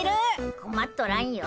こまっとらんよ。